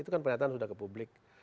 itu kan pernyataan sudah ke publik